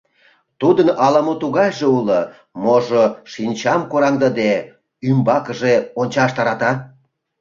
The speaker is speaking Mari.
Тудын ала-мо тугайже уло, можо шинчам кораҥдыде, ӱмбакыже ончаш тарата.